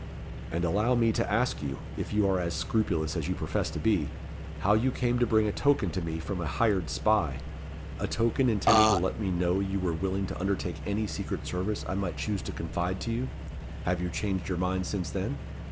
And allow me to ask you, if you are as scrupulous as you profess to be, how you came to bring a token to me from a hired spy a token intended to let me know you were willing to undertake any secret service I might choose to confide to you? Have you changed your mind since then?